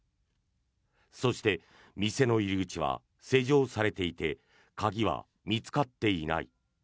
そして、店の入り口は施錠されていて鍵は見つかっていない。